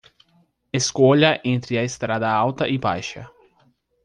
Escolha entre a estrada alta e baixa.